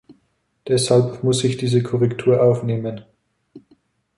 Deshalb muss ich diese Korrektur aufnehmen.